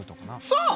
そう！